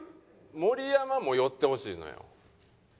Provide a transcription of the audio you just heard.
盛山も寄ってほしいのよ。